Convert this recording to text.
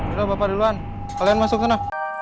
udah bapak duluan kalian masuk sana